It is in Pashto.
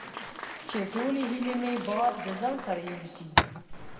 چې ټولې هیلې مې باد د ځان سره یوسي